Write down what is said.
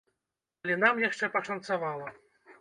Але нам яшчэ пашанцавала.